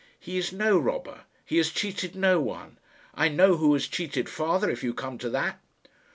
"He is no robber. He has cheated no one. I know who has cheated father, if you come to that."